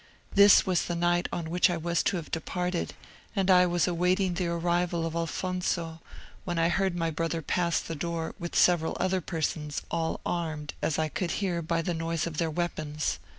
This was the night on which I was to have departed, and I was waiting the arrival of Alfonso, when I heard my brother pass the door with several other persons, all armed, as I could hear, by the noise of their weapons.